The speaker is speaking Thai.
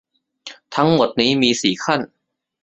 ทั้งหมดนี้มีสี่ขั้น